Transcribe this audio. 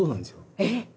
えっ！